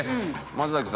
松崎さん